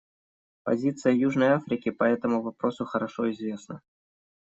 Позиция Южной Африки по этому вопросу хорошо известна.